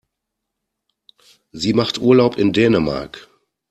Sie macht Urlaub in Dänemark.